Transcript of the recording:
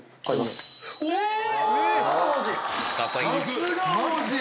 さすが王子！